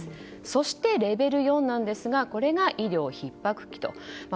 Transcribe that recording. そしてレベル４なんですがこれが医療ひっ迫期と。